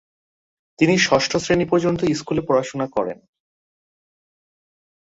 তিনি ষষ্ঠ শ্রেণি পর্যন্ত স্কুলে পড়াশোনা করেন।